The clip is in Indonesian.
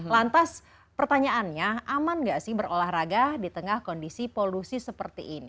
lantas pertanyaannya aman gak sih berolahraga di tengah kondisi polusi seperti ini